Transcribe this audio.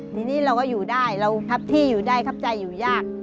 ทีนี้เราก็อยู่ได้เราทัพที่อยู่ได้ทับใจอยู่ยาก